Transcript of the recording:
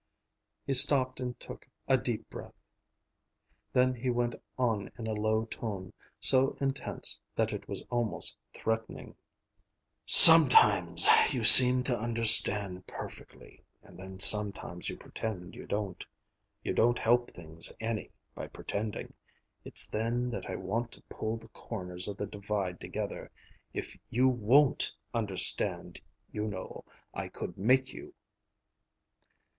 He stopped and took a deep breath. Then he went on in a low tone, so intense that it was almost threatening: "Sometimes you seem to understand perfectly, and then sometimes you pretend you don't. You don't help things any by pretending. It's then that I want to pull the corners of the Divide together. If you WON'T understand, you know, I could make you!"